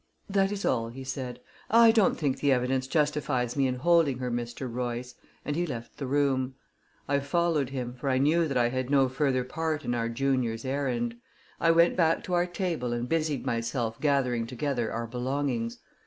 "That is all," he said. "I don't think the evidence justifies me in holding her, Mr. Royce," and he left the room. I followed him, for I knew that I had no further part in our junior's errand. I went back to our table and busied myself gathering together our belongings.